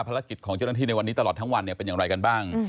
ภารกิจของเจ้าหน้าที่ในวันนี้ตลอดทั้งวันเป็นอย่างไรกันบ้าง